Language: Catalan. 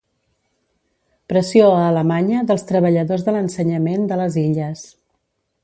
Pressió a Alemanya dels treballadors de l’ensenyament de les Illes.